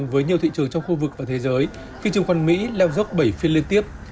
với nhiều thị trường trong khu vực và thế giới khi chứng khoán mỹ leo dốc bảy phiên liên tiếp